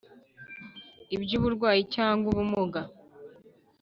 ibyuburwayi cyangwa ubumuga,